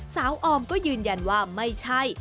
ออมก็ยืนยันว่าไม่ใช่